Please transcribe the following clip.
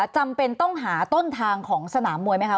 จำเป็นต้องหาต้นทางของสนามมวยไหมคะ